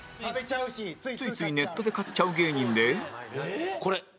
ついついネットで買っちゃう芸人でこれ。